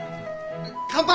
乾杯！